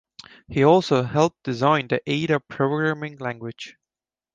He also helped design the Ada programming language.